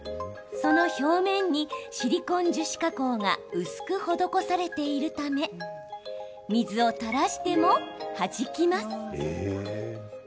その表面にシリコン樹脂加工が薄く施されているため水を垂らしても、はじきます。